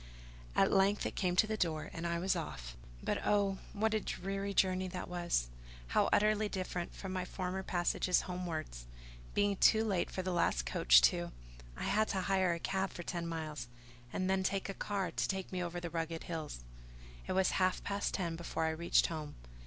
At length it came to the door, and I was off: but, oh, what a dreary journey was that! how utterly different from my former passages homewards! Being too late for the last coach to ——, I had to hire a cab for ten miles, and then a car to take me over the rugged hills. It was half past ten before I reached home.